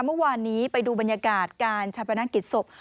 เมื่อวานนี้ไปดูบรรยากาศการชาปนกิจศพ